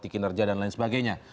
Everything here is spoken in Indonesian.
dikinerja dan lain sebagainya